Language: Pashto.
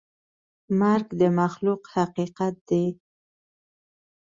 مرګ د مخلوق حقیقت دی.